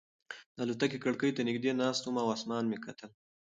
د الوتکې کړکۍ ته نږدې ناست وم او اسمان مې کتل.